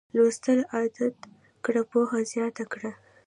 لوستل عادت کړه پوهه زیاته کړه